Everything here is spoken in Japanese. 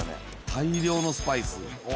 大量のスパイス。